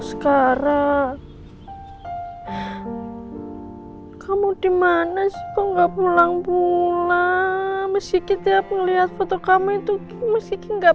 oskara kamu dimana sih kok nggak pulang pulang meski tiap ngelihat foto kamu itu meski nggak